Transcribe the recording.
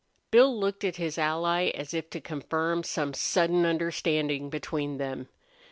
Bill looked at his ally as if to confirm some sudden understanding between them.